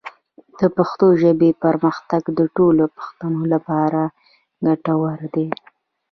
د پښتو ژبې پرمختګ د ټولو پښتنو لپاره ګټور دی.